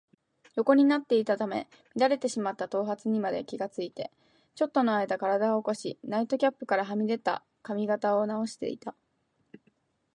横になっていたために乱れてしまった頭髪にまで気がついて、ちょっとのあいだ身体を起こし、ナイトキャップからはみ出た髪形をなおしていた。